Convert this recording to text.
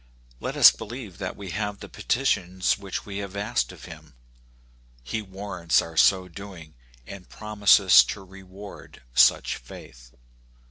Let us believe that we have the petitions which we have asked of him. He warrants our so doing, and promises to reward such faith.